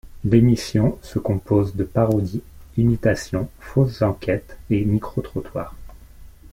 L'émission se compose de parodies, imitations, fausses enquêtes et micro-trottoirs.